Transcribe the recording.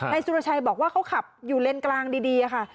สุรชัยบอกว่าเขาขับอยู่เลนกลางดีค่ะ